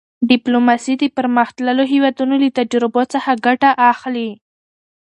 ډیپلوماسي د پرمختللو هېوادونو له تجربو څخه ګټه اخلي.